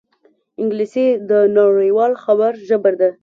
انګلیسي د نړيوال خبر ژبه ده